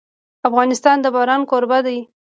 افغانستان د باران کوربه دی.